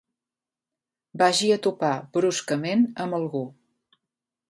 Vagi a topar bruscament amb algú.